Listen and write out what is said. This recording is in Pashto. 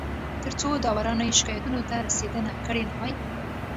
تر څو داورانو یې شکایتونو ته رسېدنه کړې نه وي